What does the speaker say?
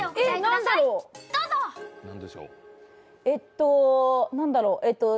え、何だろう。